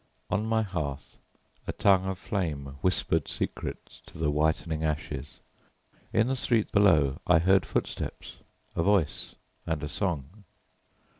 On my hearth a tongue of flame whispered secrets to the whitening ashes. In the street below I heard footsteps, a voice, and a song.